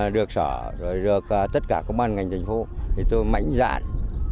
được sở rồi được tất cả công an ngành thành phố thì tôi mảnh dạn